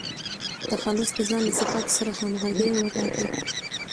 تخلص د ځان له صفاتو سره همږغى وټاکئ!